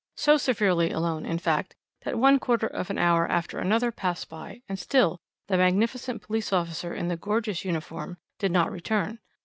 "So severely alone, in fact, that one quarter of an hour after another passed by and still the magnificent police officer in the gorgeous uniform did not return.